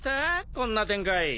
こんな展開。